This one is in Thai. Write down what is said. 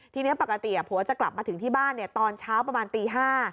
ทีนี้ปกติผัวจะกลับมาถึงที่บ้านตอนเช้าประมาณตี๕